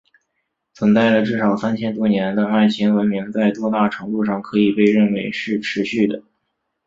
存在了至少三千多年的爱琴文明在多大程度上可以被认为是持续的？